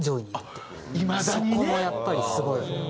そこもやっぱりすごい。